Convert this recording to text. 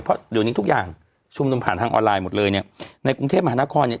เพราะเดี๋ยวนี้ทุกอย่างชุมนุมผ่านทางออนไลน์หมดเลยเนี่ยในกรุงเทพมหานครเนี่ย